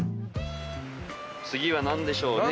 次は何でしょうね。